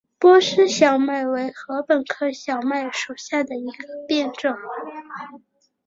波斯小麦为禾本科小麦属下的一个变种。